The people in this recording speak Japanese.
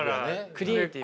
クリエイティブ。